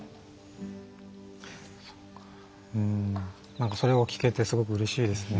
何かそれを聞けてすごくうれしいですね。